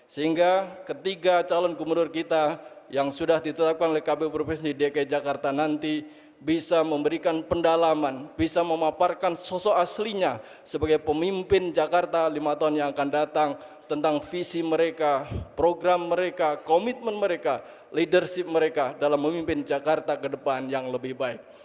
sehingga ketiga calon kumurur kita yang sudah ditetapkan oleh kpu provinsi dki jakarta nanti bisa memberikan pendalaman bisa memaparkan sosok aslinya sebagai pemimpin jakarta lima tahun yang akan datang tentang visi mereka program mereka komitmen mereka leadership mereka dalam memimpin jakarta ke depan yang lebih baik